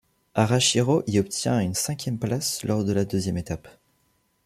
Arashiro y obtient une cinquième place lors de la deuxième étape.